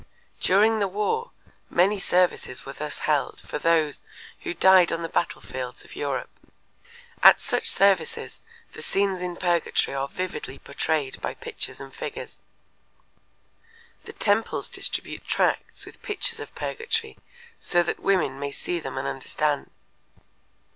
During the war many services were thus held for those who died on the battlefields of Europe. At such services the scenes in purgatory are vividly portrayed by pictures and figures. The temples distribute tracts with pictures of purgatory so that women may see them and understand.